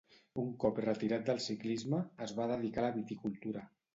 Un cop retirat del ciclisme, es va dedicar a la viticultura.